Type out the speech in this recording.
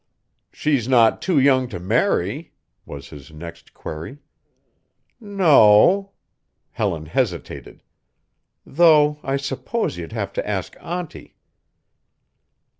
"She's not too young to marry?" was his next query. "N no," Helen hesitated, "though I suppose you'd have to ask Auntie."